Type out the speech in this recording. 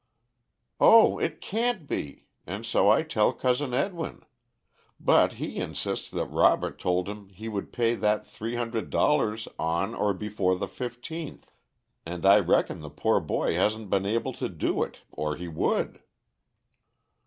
"O it can't be, and so I tell Cousin Edwin; but he insists that Robert told him he would pay that three hundred dollars on or before the fifteenth, and I reckon the poor boy hasn't been able to do it, or he would."